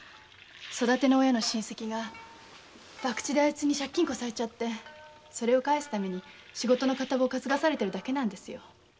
育ての親の親戚が博打であいつに借金こさえてそれを返すために仕事の片棒かつがされてるだけですよ。